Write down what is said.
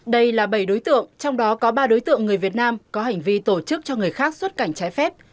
đây là bảy đối tượng trong đó có ba đối tượng người việt nam có hành vi tổ chức cho người khác xuất cảnh trái phép